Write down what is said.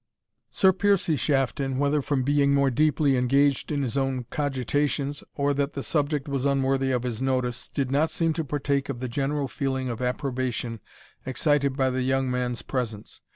Sir Piercie Shafton, whether from being more deeply engaged in his own cogitations, or that the subject was unworthy of his notice, did not seem to partake of the general feeling of approbation excited by the young man's presence.